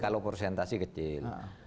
kalau persentasi kecil